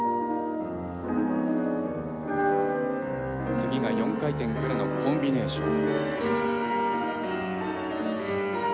次が４回転からのコンビネーション。